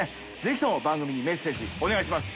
爾劼箸番組にメッセージお願いします！